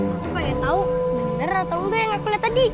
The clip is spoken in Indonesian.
aku pengen tahu benar atau enggak yang aku lihat tadi